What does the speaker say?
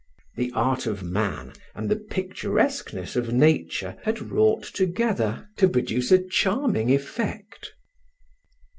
The art of man and the picturesqueness of nature had wrought together to produce a charming effect.